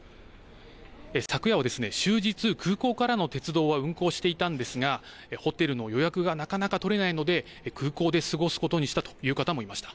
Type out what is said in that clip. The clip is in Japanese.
昨夜、終日、空港からの鉄道は運行していたんですがホテルの予約がなかなか取れないので空港で過ごすことにしたという方もいました。